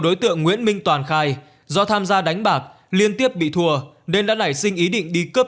đối tượng nguyễn minh toàn khai do tham gia đánh bạc liên tiếp bị thua nên đã nảy sinh ý định đi cướp